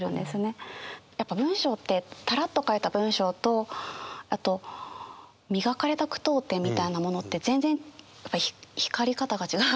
やっぱ文章ってたらっと書いた文章とあと磨かれた句読点みたいなものって全然光り方が違うから。